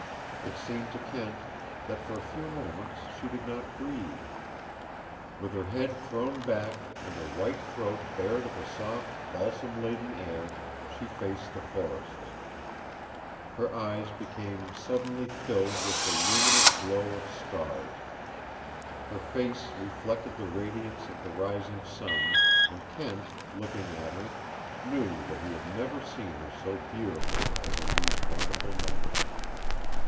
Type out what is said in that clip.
It seemed to Kent that for a few moments she did not breathe. With her head thrown back and her white throat bare to the soft, balsam laden air she faced the forests. Her eyes became suddenly filled with the luminous glow of stars. Her face reflected the radiance of the rising sun, and Kent, looking at her, knew that he had never seen her so beautiful as in these wonderful moments.